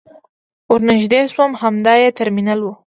ور نژدې شوم همدا يې ترمینل و.